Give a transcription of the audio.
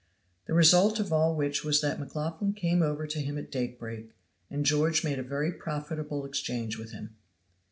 The result of all which was that McLaughlan came over to him at daybreak and George made a very profitable exchange with him.